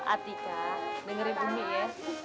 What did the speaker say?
atika dengerin umi ya